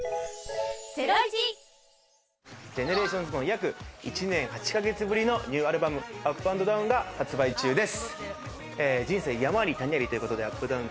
ＧＥＮＥＲＡＴＩＯＮＳの約１年８か月ぶりのニューアルバム、『Ｕｐ＆Ｄｏｗｎ』が発売中です。